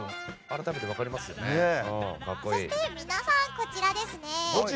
そして皆さん、こちらです。